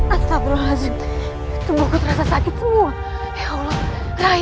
astagfirullahaladzim tubuhku terasa sakit semua ya allah rai